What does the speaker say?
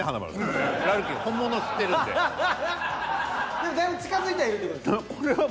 でもだいぶ近づいてはいるって事ですか。